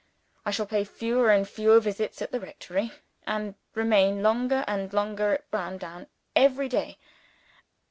I shall pay fewer and fewer visits at the rectory, and remain longer and longer at Browndown every day.